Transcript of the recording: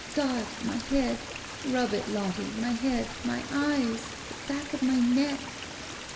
"God! My head! Rub it, Lottie! My head! My eyes ! The back of my neck